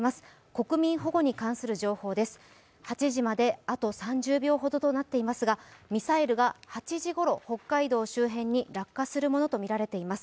国民保護に関する情報です、８時まであと３０秒ほどとなっていますがミサイルが８時ごろ北海道周辺に落下するものとみられています。